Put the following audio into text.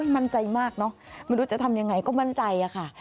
มั่นใจมากเนอะไม่รู้จะทำยังไงก็มั่นใจค่ะ